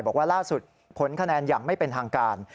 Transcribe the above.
บอกว่าล่าสุดผลคะแนนอย่างไม่เป็นทางการ